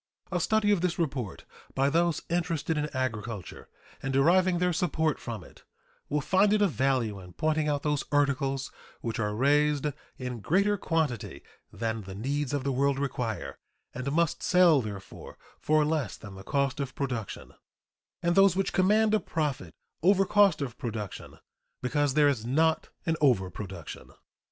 A study of this report by those interested in agriculture and deriving their support from it will find it of value in pointing out those articles which are raised in greater quantity than the needs of the world require, and must sell, therefore, for less than the cost of production, and those which command a profit over cost of production because there is not an overproduction.